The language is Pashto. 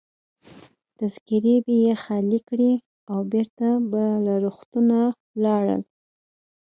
تذکیرې به يې خالي کړې او بیرته به له روغتونه ولاړل.